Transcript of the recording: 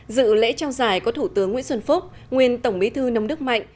dự lễ trao giải có thủ tướng nguyễn xuân phúc nguyên tổng bí thư nông đức mạnh